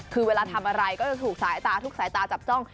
คือเวลาทำอะไรก็จะถูกสายตาจับจ้อง